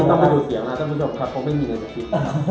คนนี้ต้องไปดูเสียงล้างด้วยคนผู้ชมครับก็ไม่มีในตคะที